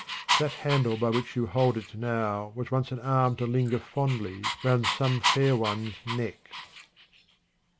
That handle by which you hold it now was once an arm to linger fondly round some fair one's neck.